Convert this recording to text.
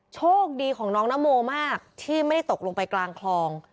โชคดีของน้องนโมมากที่ไม่ได้ตกลงไปกลางคลอง